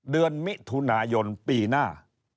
เดือนมิถุนายนปีหน้า